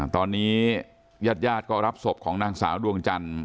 ตอนนี้ญาติญาติก็รับศพของนางสาวดวงจันทร์